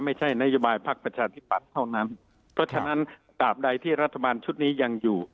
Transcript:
ไม่ใช่นโยบายพักประชาธิปัตย์เท่านั้นเพราะฉะนั้นตามใดที่รัฐบาลชุดนี้ยังอยู่